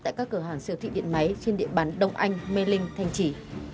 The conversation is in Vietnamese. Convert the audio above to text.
tại các cửa hàng siêu thị điện máy trên địa bàn đông anh mê linh thanh trì